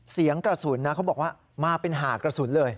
เสียงกระสุนนะเขาบอกว่ามาเป็นหากระสุนเลย